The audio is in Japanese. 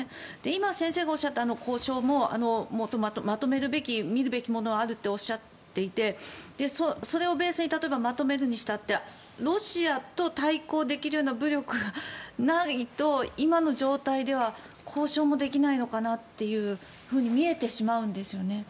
今、先生がおっしゃった交渉もまとめるべき見るべきものはあるっておっしゃっていてそれをベースに例えば、まとめるにしたってロシアと対抗できるような武力がないと今の状態では交渉もできないのかなって見えてしまうんですよね。